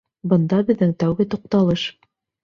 Бында беҙҙең тәүге туҡталыш.